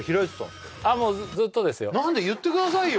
何だ言ってくださいよ